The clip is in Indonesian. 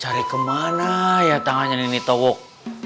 cari kemana ya tangannya nito wok